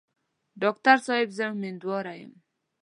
ډاکټر صاحب زه امیندواره یم.